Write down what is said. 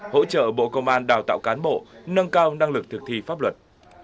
hỗ trợ bộ công an đào tạo cán bộ nâng cao năng lực thực thi pháp luật